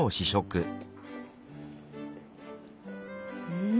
うん。